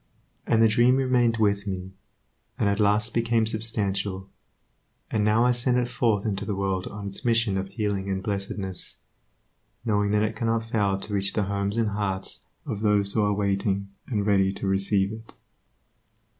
And the dream remained with me, and at last became substantial; and now I send it forth into the world on its mission of healing and blessedness, knowing that it cannot fail to reach the homes and hearts of those who are waiting and ready to receive it.